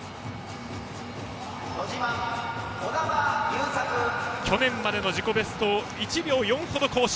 児玉悠作、去年までの自己ベストを１秒４ほど更新。